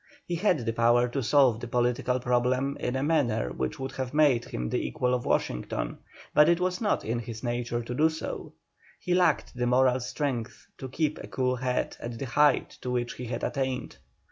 He had the power to solve the political problem in a manner which would have made him the equal of Washington, but it was not in his nature so to do. He lacked the moral strength to keep a cool head at the height to which he had attained.